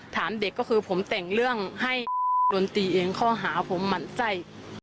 ถามเด็กก็คือผมแต่งเรื่องให้โดนตีเองข้อหาผมหมั่นไส้